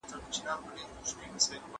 هغې په ډیرې زوټې سره وخندل.